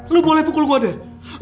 lu boleh pukul gue dada